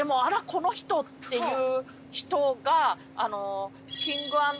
この人」っていう人が。